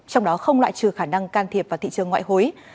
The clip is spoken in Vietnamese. trong đó không loại trừ khả năng can thiệp vào thị trường ngoại hối